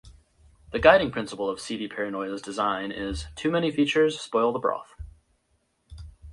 The guiding principle of cdparanoia's design is "Too many features spoil the broth".